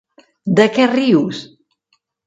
De què rius?